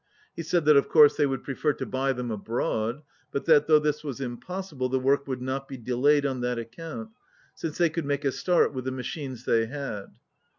He said that of course they would prefer to buy them abroad, but that, though this was impossible, the work would not be delayed on that account, since they could make a start with the machines they had.